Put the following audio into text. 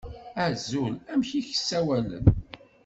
Azul, amek i k-ssawalen?